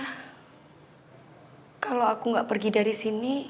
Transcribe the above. hai kalau aku enggak pergi dari sini